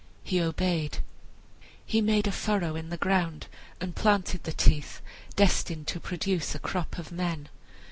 He obeyed. He made a furrow in the ground, and planted the teeth, destined to produce a crop of men.